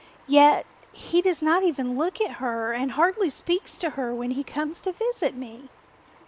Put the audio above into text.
Yet he does not even look at her and hardly speaks to her when he comes to visit me."